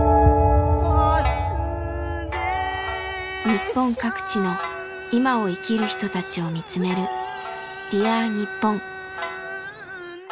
日本各地の「いま」を生きる人たちを見つめる「Ｄｅａｒにっぽん」。